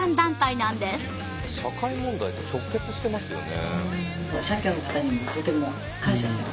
社会問題と直結してますよね。